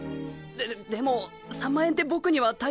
ででも３万円って僕には大金で。